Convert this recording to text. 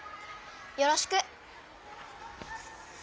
よろしく。